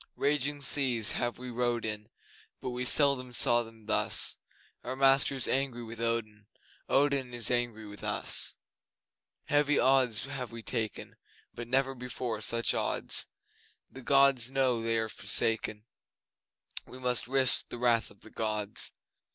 Raging seas have we rowed in, But we seldom saw them thus; Our master is angry with Odin Odin is angry with us! Heavy odds have we taken, But never before such odds. The Gods know they are forsaken, We must risk the wrath of the Gods!